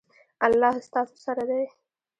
الله ستاسو سره دی